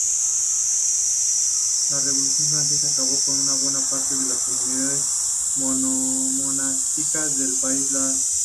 La Revolución francesa acabó con buena parte de las comunidades monásticas del país galo.